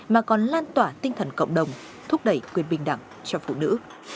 mà còn lan tỏa tinh thần cộng đồng thúc đẩy quyền bình đẳng cho phụ nữ